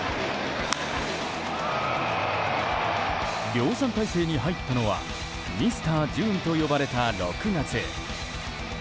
量産態勢に入ったのはミスター・ジューンと呼ばれた６月。